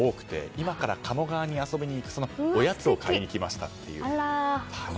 今から鴨川に遊びに行くのでそのおやつを買いに来ましたっていう。